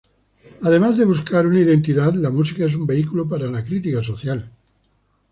Además de buscar una identidad la música es un vehículo para la crítica social.